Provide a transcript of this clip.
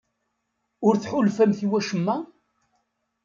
Ur tḥulfamt i wacemma?